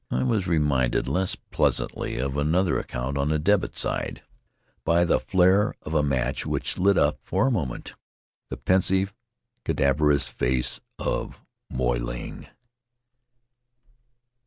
I was reminded, less pleasantly, of another account on the debit side, by the flare of a match which lit up for a moment the pensive, cadaver ous face of Moy Ling.